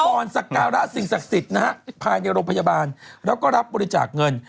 สักการะสิ่งศักดิ์สิทธิ์นะฮะภายในโรงพยาบาลแล้วก็รับบริจาคเงิน